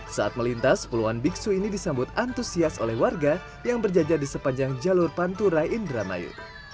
saat melintas puluhan biksu ini disambut antusias oleh warga yang berjajar di sepanjang jalur pantura indramayu